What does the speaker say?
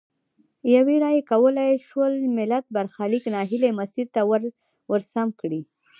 یوي رایې کولای سول ملت برخلیک نا هیلي مسیر ته ورسم کړي.